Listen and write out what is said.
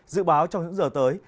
dự báo trong những giờ tới